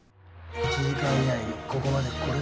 ・１時間以内にここまで来れるかな？